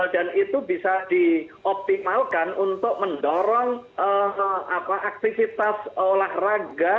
dan itu bisa dioptimalkan untuk mendorong aktivitas olahraga